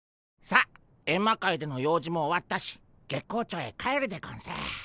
さっエンマ界での用事も終わったし月光町へ帰るでゴンス。